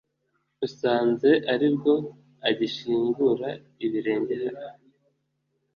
usanze aribwo agishingura ibirenge aha"